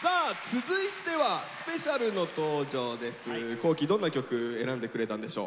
皇輝どんな曲選んでくれたんでしょう？